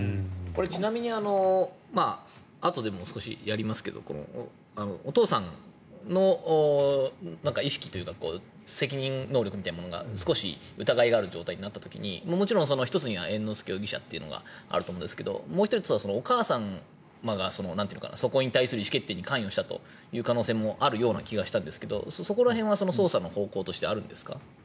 ちなみにあとでも少しやりますがお父さんの意識というか責任能力みたいなものが少し疑いがある状態になった時にもちろん１つには猿之助容疑者というのがあると思うんですがもう１つはお母様がそこに対する意思決定に関与する可能性もあるような気がしたんですがそこら辺は捜査の方向としてあるんですか。